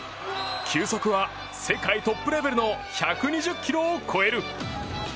球速は世界トップレベルの１２０キロを超える。